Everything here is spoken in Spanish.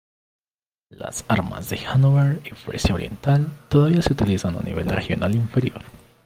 Las armas de Hannover y Frisia Oriental todavía se utilizan a nivel regional inferior.